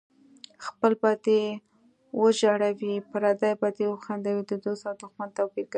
خپل به دې وژړوي پردی به دې وخندوي د دوست او دښمن توپیر کوي